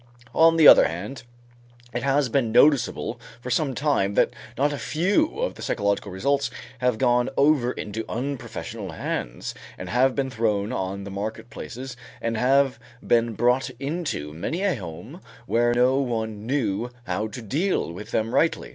On the other hand, it has been noticeable for some time that not a few of the psychological results have gone over into unprofessional hands and have been thrown on the market places and have been brought into many a home where no one knew how to deal with them rightly.